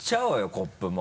コップも。